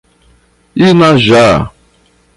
Inajá